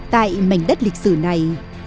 tại mảnh đất lịch sử này